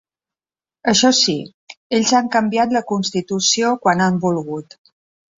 Això sí, ells han canviat la constitució quan han volgut.